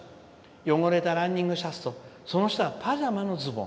汚れたランニングシャツとその下はパジャマのズボン。